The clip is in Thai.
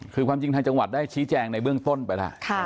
คือความจริงทางจังหวัดได้ชี้แจงในเบื้องต้นไปแล้ว